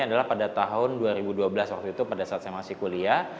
adalah pada tahun dua ribu dua belas waktu itu pada saat saya masih kuliah